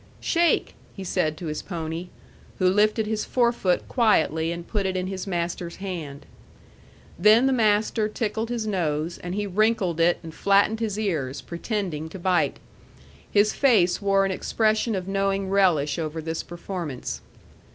"Shake!" he said to his pony, who lifted his forefoot quietly and put it in his master's hand. Then the master tickled his nose, and he wrinkled it and flattened his ears, pretending to bite. His face wore an expression of knowing relish over this performance.